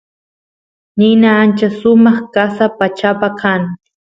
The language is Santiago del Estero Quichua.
nina ancha sumaq qasa pachapa kan